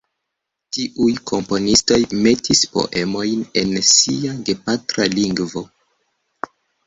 Tiuj komponistoj metis poemojn en sia gepatra lingvo.